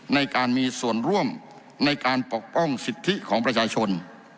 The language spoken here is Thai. ในการมีส่วนร่วมในการปกป้องสิทธิของประชาชน